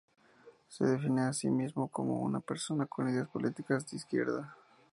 Se define a sí mismo como una persona con ideas políticas de izquierda.